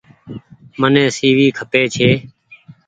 مين سي وي کپي ڇي۔